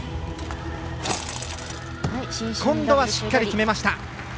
今度はしっかり決めました。